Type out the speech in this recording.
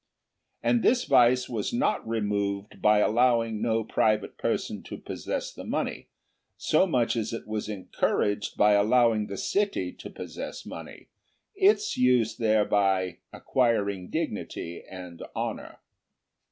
And this vice was not removed by allowing no private person to possess money, so much as it was encouraged by allowing the city to possess money, its use thereby acquiring dignity and honour.